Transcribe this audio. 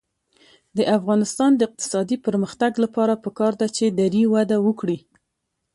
د افغانستان د اقتصادي پرمختګ لپاره پکار ده چې دري وده وکړي.